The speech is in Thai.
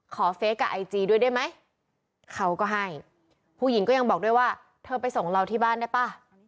เฟคกับไอจีด้วยได้ไหมเขาก็ให้ผู้หญิงก็ยังบอกด้วยว่าเธอไปส่งเราที่บ้านได้ป่ะ